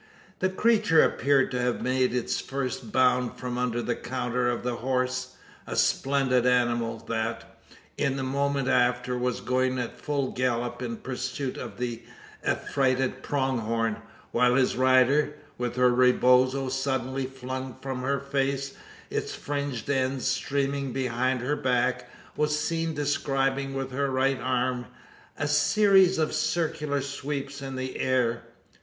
The creature appeared to have made its first bound from under the counter of the horse a splendid animal, that, in a moment after, was going at full gallop in pursuit of the affrighted "pronghorn;" while his rider, with her rebozo suddenly flung from her face, its fringed ends streaming behind her back, was seen describing, with her right arm, a series of circular sweeps in the air!